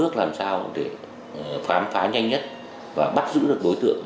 ước làm sao để phám phá nhanh nhất và bắt giữ được đối tượng